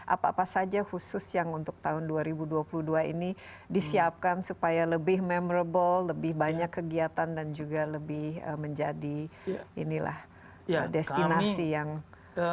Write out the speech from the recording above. apa apa saja khusus yang untuk tahun dua ribu dua puluh dua ini disiapkan supaya lebih memorable lebih banyak kegiatan dan juga lebih menjadi inilah destinasi